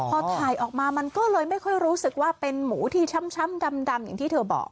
พอถ่ายออกมามันไม่ค่อยรู้สึกว่าเป็นหมูใช้ช้ำดำตามที่เธอบอก